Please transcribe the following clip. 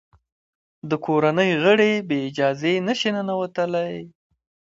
د کورنۍ غړي بې اجازې نه شي ننوتلای.